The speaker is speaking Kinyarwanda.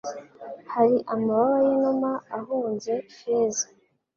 Hari amababa y’inuma ahunze feza